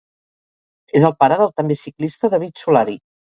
És el pare del també ciclista David Solari.